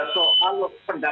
soal pendapat lebih residen